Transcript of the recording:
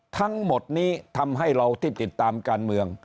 ทั้งหมดนี้ทำให้เราที่ติดตามการเมือง